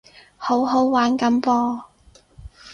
好好玩噉噃